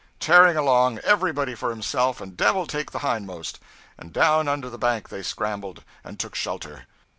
tearing along, everybody for himself and Devil take the hindmost! and down under the bank they scrambled, and took shelter.